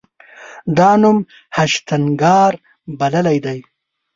دا نوم هشتنګار بللی دی.